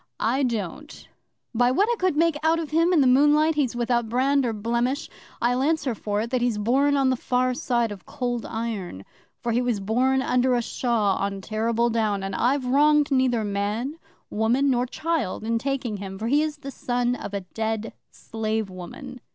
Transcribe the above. "I don't. By what I could make out of him in the moonlight, he's without brand or blemish. I'll answer for it that he's born on the far side of Cold Iron, for he was born under a shaw on Terrible Down, and I've wronged neither man, woman, nor child in taking him, for he is the son of a dead slave woman."